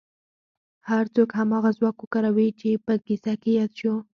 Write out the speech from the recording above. هر څوک هماغه ځواک وکاروي چې په کيسه کې ياد شو.